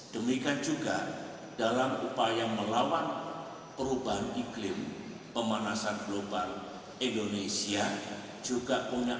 demikian juga dalam upaya melawan perubahan iklim pemanasan global indonesia juga punya